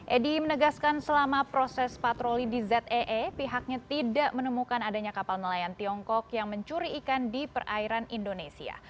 edi menegaskan selama proses patroli di zee pihaknya tidak menemukan adanya kapal nelayan tiongkok yang mencuri ikan di perairan indonesia